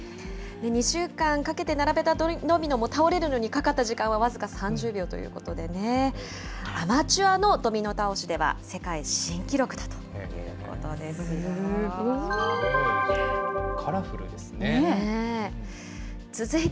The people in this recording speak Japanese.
２週間かけて並べたドミノも、倒れるのにかかった時間は僅か３０秒ということで、アマチュアのドミノ倒しでは世界新記録だというすごい。